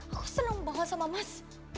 aku senang banget sama mas